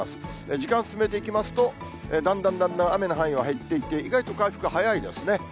時間進めていきますと、だんだんだんだん雨の範囲は減っていって、意外と回復早いですね。